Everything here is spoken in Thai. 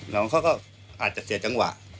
น้องเขาก็อาจจะเสียจังหวะ